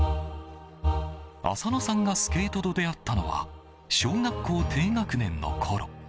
浅野さんがスケートと出会ったのは小学校低学年のころ。